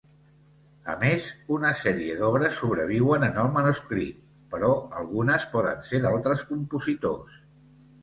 A més, una sèrie d'obres sobreviuen en el manuscrit, però algunes poden ser d'altres compositors.